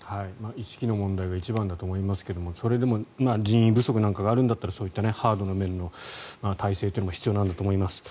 意識の問題が一番だと思いますがそれでも人員不足とかの問題もあるんだったら、そういったハードの面の体制というのも必要なんだと思います。